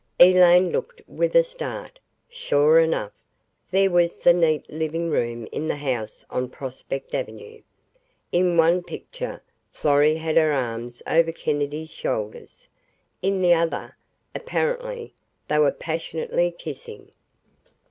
Elaine looked with a start. Sure enough, there was the neat living room in the house on Prospect Avenue. In one picture Florrie had her arms over Kennedy's shoulders. In the other, apparently, they were passionately kissing.